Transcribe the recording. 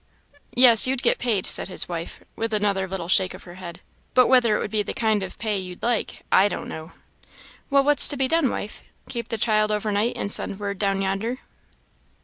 "Yes, you'd get paid," said his wife, with another little shake of her head; "but whether it would be the kind of pay you'd like, I don't know." "Well, what's to be done, wife? Keep the child overnight, and send word down yonder?"